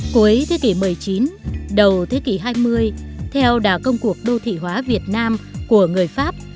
cuối thế kỷ một mươi chín đầu thế kỷ hai mươi theo đà công cuộc đô thị hóa việt nam của người pháp